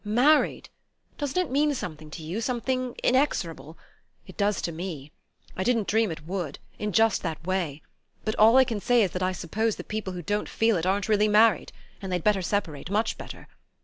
Married.... Doesn't it mean something to you, something inexorable? It does to me. I didn't dream it would in just that way. But all I can say is that I suppose the people who don't feel it aren't really married and they'd better separate; much better.